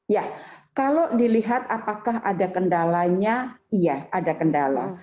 ya kalau dilihat apakah ada kendalanya iya ada kendala